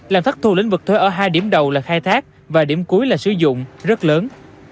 làm thất thù lĩnh vực thuế ở hai điểm đầu là khai thác và điểm cuối là sử dụng rất lớn